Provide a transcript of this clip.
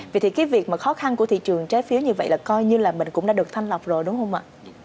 vậy thì cái việc mà khó khăn của thị trường trái phiếu như vậy là coi như là mình cũng đã được thanh lọc rồi đúng không ạ